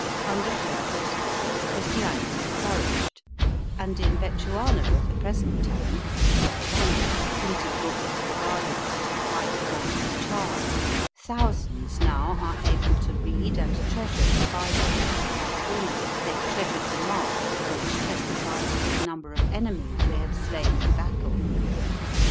Under her auspices Christianity flourished, and in Betchuana at the present time, where once a printed book was regarded as the white man's charm, thousands now are able to read and treasure the Bible as formerly they treasured the marks which testified to the number of enemies they had slain in battle.